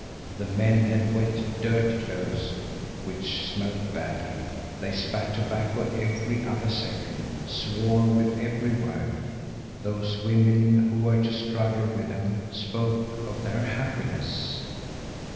The men had wet, dirty clothes, which smelt badly. They spat tobacco every other second, swore with every word. Those women, who were to struggle with them, spoke of their happiness.